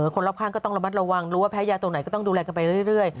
คนรอบข้างก็ต้องระมัดระวังรู้ว่าแพ้ยาตรงไหนก็ต้องดูแลกันไปเรื่อย